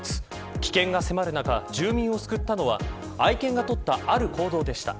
危険が迫る中、住民を救ったのは愛犬が取った行動でした。